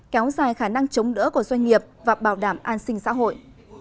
kéo dài khả năng chống đỡ của doanh nghiệp và bảo đảm an sinh xã hội